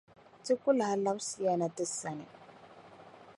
Ti ku lahi labsi ya na ti sani.